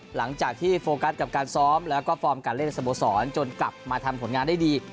หลังจากที่โฟกัสกับการซ้อมแล้วก็ฟอร์มการเล่นในสโมสรจนกลับมาทำผลงานได้ดี